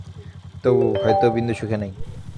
তবু, হয়তো বিন্দু সুখে নাই!